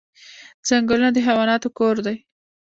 ځنګلونه د حیواناتو کور دی